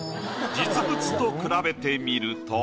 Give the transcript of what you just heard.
実物と比べてみると。